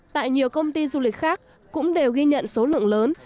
tại nhiều công ty du lịch khác cũng đều ghi nhận số lượng lớn